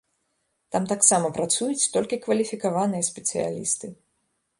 Там таксама працуюць толькі кваліфікаваныя спецыялісты.